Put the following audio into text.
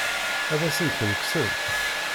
Ad asen-ten-kksent?